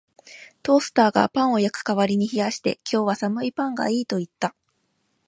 トースターがパンを焼く代わりに冷やして、「今日は寒いパンがいい」と言った